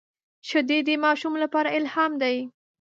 شیدې د ماشوم لپاره الهام دي